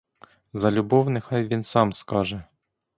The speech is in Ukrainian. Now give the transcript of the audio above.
За любов нехай він сам скаже.